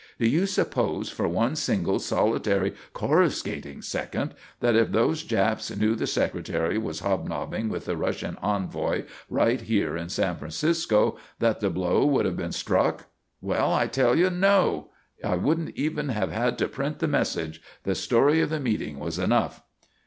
Do you suppose for one single, solitary, coruscating second, that if those Japs knew the Secretary was hobnobbing with the Russian envoy right here in San Francisco, that the blow would have been struck? Well, I tell you No! I wouldn't even have had to print the message. The story of the meeting was enough."